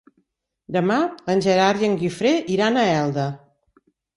Demà en Gerard i en Guifré iran a Elda.